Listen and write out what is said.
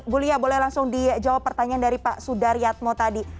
bu lia boleh langsung dijawab pertanyaan dari pak sudaryatmo tadi